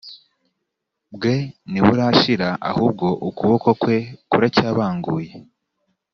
bwe ntiburashira ahubwo ukuboko kwe kuracyabanguye